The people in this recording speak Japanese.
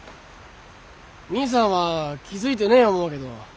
兄さんは気付いてねえ思うけど。